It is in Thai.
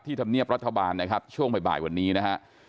ธรรมเนียบรัฐบาลนะครับช่วงบ่ายวันนี้นะฮะ